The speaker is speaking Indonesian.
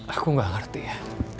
aku gak ngerti ya